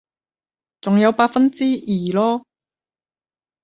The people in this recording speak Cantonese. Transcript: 仲有百分之二囉